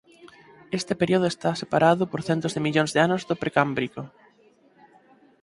Este período está separado por centos de millóns de anos do Precámbrico.